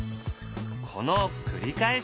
この繰り返し。